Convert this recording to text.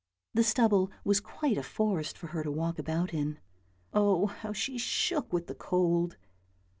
The stubble was quite a forest for her to walk about in: oh, how she shook with the cold.